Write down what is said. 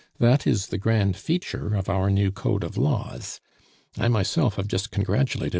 That is the grand feature of our new code of laws. I myself have just congratulated M.